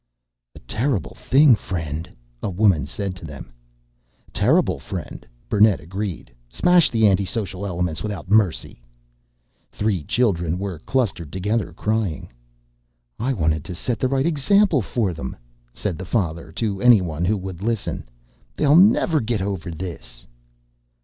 "A terrible thing, friend," a woman said to them. "Terrible, friend," Burnett agreed. "Smash the anti social elements without mercy!" Three children were clustered together, crying. "I wanted to set the right example for them," said the father to anyone who would listen. "They'll never get over this!"